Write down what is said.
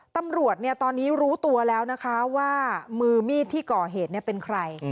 ตำรวจตอนนี้รู้ตัวแล้วนะคะว่ามือมีดที่ก่อเหตุเป็นใคร